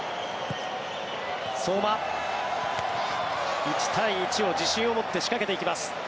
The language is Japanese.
相馬、１対１を自信を持って仕掛けていきます。